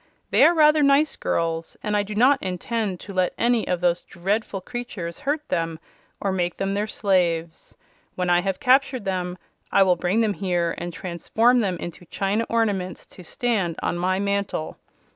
They are rather nice girls, and I do not intend to let any of those dreadful creatures hurt them, or make them their slaves. When I have captured them I will bring them here and transform them into china ornaments to stand on my mantle.